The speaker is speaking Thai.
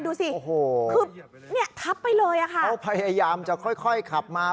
ดูสิโอ้โหคือเนี่ยทับไปเลยอ่ะค่ะเขาพยายามจะค่อยค่อยขับมา